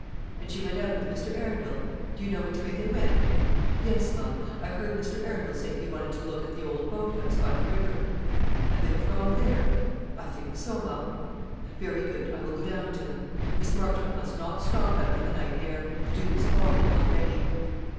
"And she went out with Mr. Arundel? Do you know which way they went?" "Yes, ma'am; I heard Mr. Arundel say he wanted to look at the old boat house by the river." "And they have gone there?" "I think so, ma'am." "Very good; I will go down to them. Miss Marchmont must not stop out in the night air. The dew is falling already."